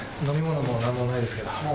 飲み物もなんもないですけど。